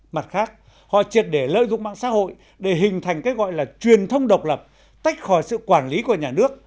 mặt khác họ triệt để lợi dụng mạng xã hội để hình thành cái gọi là truyền thông độc lập tách khỏi sự quản lý của nhà nước